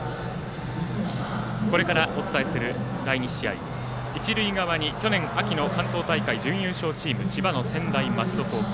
これからお伝えする第２試合一塁側に去年、秋の関東大会準優勝チーム千葉の専大松戸高校。